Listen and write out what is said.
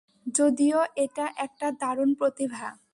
যদিও এটা একটা দারুণ প্রতিভা।